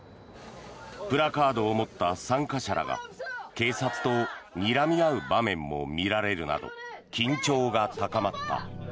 プラカードを持った参加者らが警察とにらみ合う場面も見られるなど緊張が高まった。